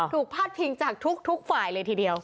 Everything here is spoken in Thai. พาดพิงจากทุกฝ่ายเลยทีเดียว